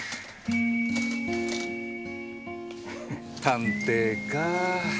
探偵かぁ。